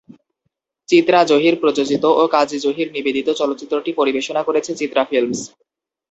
চিত্রা জহির প্রযোজিত ও কাজী জহির নিবেদিত চলচ্চিত্রটি পরিবেশনা করেছে চিত্রা ফিল্মস।